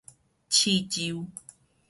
試週